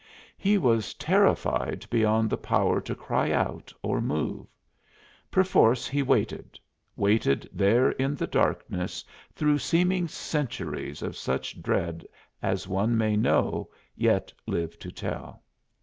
He was terrified beyond the power to cry out or move. Perforce he waited waited there in the darkness through seeming centuries of such dread as one may know, yet live to tell.